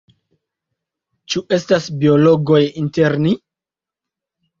Ĉu estas biologoj inter ni?